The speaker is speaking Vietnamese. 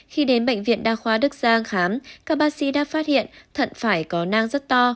khi đến bệnh viện đa khoa đức giang khám các bác sĩ đã phát hiện thận phải có năng rất to